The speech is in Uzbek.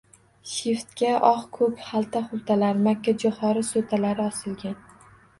Shiftga oq-koʼk xalta-xultalar, makkajoʼxori soʼtalari osilgan.